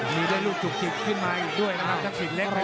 มีด้วยรูปชุดจึงขึ้นมาอีกด้วยนะครับจับสินเล็กขนาด